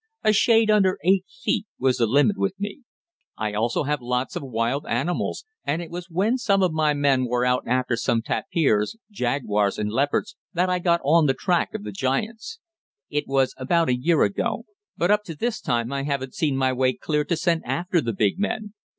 A shade under eight feet was the limit with me." "I also have lots of wild animals, and it was when some of my men were out after some tapirs, jaguars and leopards that I got on the track of the giants. It was about a year ago, but up to this time I haven't seen my way clear to send after the big men.